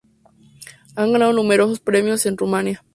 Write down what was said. Ha ganado numerosos premios en Rumania.